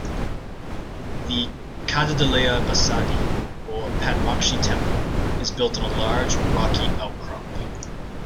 The "Kadalalaya basadi" or Padmakshi Temple is built on a large rocky out crop.